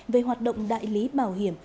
về hoạt động đại lý bảo hiểm